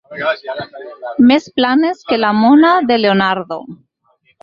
Més planes que la mona de Leonardo.